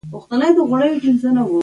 نه بلبل نه لولکۍ شته